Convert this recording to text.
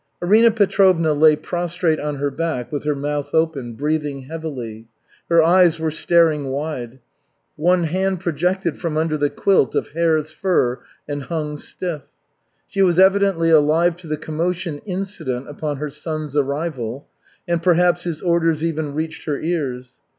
Arina Petrovna lay prostrate on her back with her mouth open, breathing heavily. Her eyes were staring wide. One hand projected from under the quilt of hare's fur and hung stiff. She was evidently alive to the commotion incident upon her son's arrival, and perhaps his orders even reached her ears.